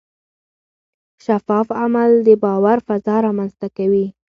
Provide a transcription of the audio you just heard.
شفاف عمل د باور فضا رامنځته کوي.